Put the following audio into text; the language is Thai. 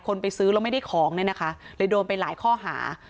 ไปซื้อแล้วไม่ได้ของเนี่ยนะคะเลยโดนไปหลายข้อหา